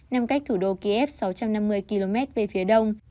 nằm cách thủ đô kiev sáu trăm năm mươi km về phía đông